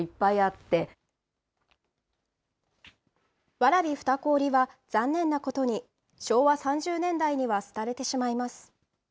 蕨双子織は残念なことに、昭和３０年代にはすたれてしまいます。